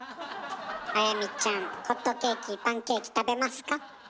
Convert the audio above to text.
あやみちゃんホットケーキパンケーキ食べますか？